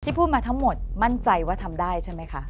พูดมาทั้งหมดมั่นใจว่าทำได้ใช่ไหมคะ